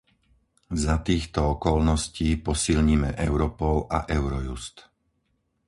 Za týchto okolností posilnime Europol a Eurojust.